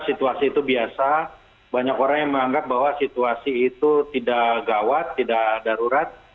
situasi itu biasa banyak orang yang menganggap bahwa situasi itu tidak gawat tidak darurat